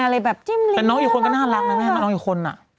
อะไรแบบจิ้มเลี้ยแต่น้องอีกคนก็น่ารักนะแม่น้องอีกคนอ่ะ